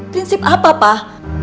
prinsip apa pak